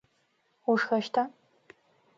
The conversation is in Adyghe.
Ушхэщта?